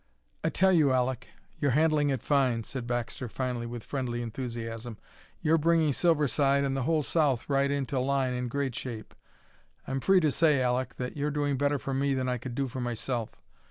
"I tell you, Aleck, you're handling it fine," said Baxter finally, with friendly enthusiasm. "You're bringing Silverside and the whole south right into line in great shape! I'm free to say, Aleck, that you're doing better for me than I could do for myself.